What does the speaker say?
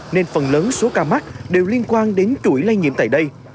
nên phần lớn số ca mắc đều liên quan đến chuỗi lây nhiễm tại đây